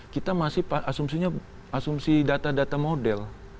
kita masih asumsinya asumsi data data model